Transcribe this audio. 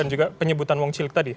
juga penyebutan wong cilik tadi